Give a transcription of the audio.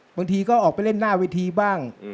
บางทีก็ออกไปเล่นหน้าเวทีบ้าง